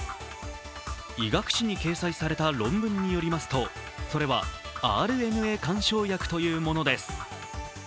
医学誌に掲載された論文によりますとそれはＲＮＡ干渉薬というものです。